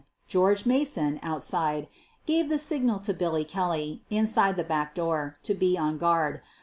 George Mason, outside, gave the signal to Billy Kelly, inside the back door, to be on guard.